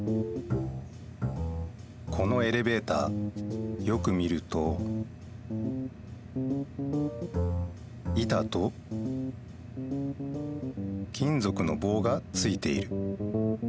このエレベーターよく見ると板と金ぞくの棒がついている。